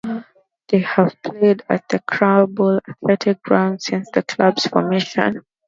They have played at the Crabble Athletic Ground since the club's formation.